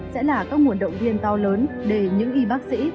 sẽ là các nguồn động viên to lớn để những y bác sĩ